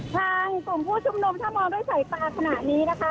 ทางกลุ่มผู้ชุมนุมถ้ามองด้วยสายตาขณะนี้นะคะ